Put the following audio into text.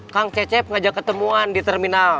kang cecep ngajak ketemuan di terminal